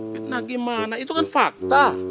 fitnah gimana itu kan fakta